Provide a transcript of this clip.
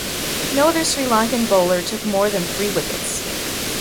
No other Sri Lankan bowler took more than three wickets.